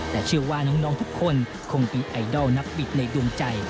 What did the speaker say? แต่เชื่อว่าน้องทุกคนคงมีไอดอลนักบิดในดวงใจ